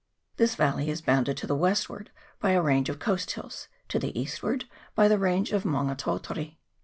This valley is bounded to the westward by a range of coast hills, to the eastward by the range of Maunga Tautari.